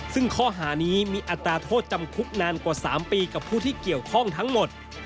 ซึ่งข้อหานี้มีอัตราโทษจำคุกนานกว่า๓ปีกับผู้ที่เกี่ยวข้องทั้งหมด